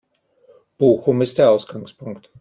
Bochum ist der Ausgangspunkt.